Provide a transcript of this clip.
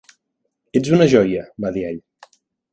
"Ets una joia", va dir ell.